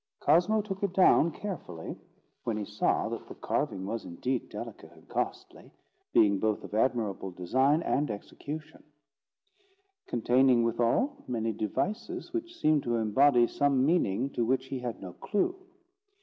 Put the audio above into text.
Cosmo took it down carefully, when he saw that the carving was indeed delicate and costly, being both of admirable design and execution; containing withal many devices which seemed to embody some meaning to which he had no clue.